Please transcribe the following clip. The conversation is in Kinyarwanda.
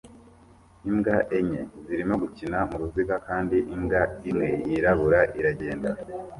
Imbwa enye zirimo gukina muruziga kandi imbwa imwe yirabura iragenda